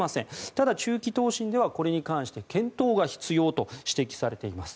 ただ、中期答申ではこれに関して検討が必要と指摘されています。